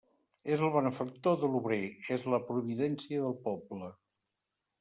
És el benefactor de l'obrer; és la providència del poble.